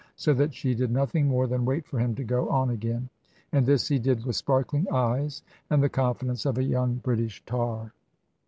So that she did nothing more than wait for him to go on again. And this he did with sparkling eyes and the confidence of a young British tar.